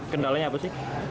kendalanya apa sih